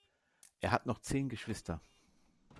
Er hat noch zehn Geschwister.